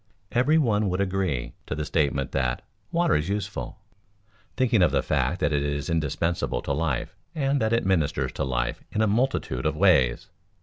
Every one would agree to the statement that "water is useful," thinking of the fact that it is indispensable to life and that it ministers to life in a multitude of ways.